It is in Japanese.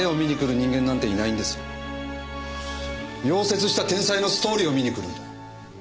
夭折した天才のストーリーを見に来るんだ。